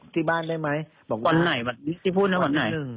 ที่บ้านได้ไหมบอกว่าวันไหนวันที่พูดนะวันไหนวันที่หนึ่ง